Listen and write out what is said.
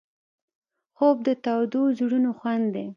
خوب د تودو زړونو خوند دی